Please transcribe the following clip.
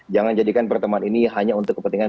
jangan jadikan pertemuan ini hanya untuk kepentingan